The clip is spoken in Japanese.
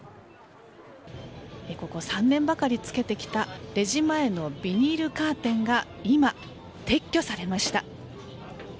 ここ３年ばかりつけてきたレジ前のビニールカーテンが今、撤去されました。